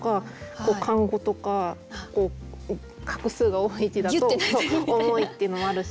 こう漢語とか画数が多い字だと重いっていうのもあるし。